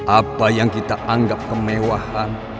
apa yang kita anggap kemewahan